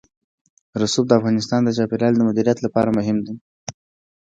رسوب د افغانستان د چاپیریال د مدیریت لپاره مهم دي.